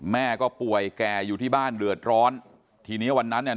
แม่ก็ป่วยแก่อยู่ที่บ้านเดือดร้อนทีเนี้ยวันนั้นเนี่ย